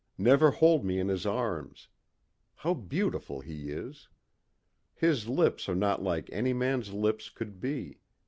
Never hold me in his arms. How beautiful he is. His lips are not like any man's lips could be.